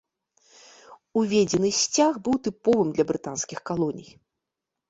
Уведзены сцяг быў тыповым для брытанскіх калоній.